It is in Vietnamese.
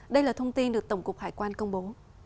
đây là thông tin được tổng cục hải quan công bố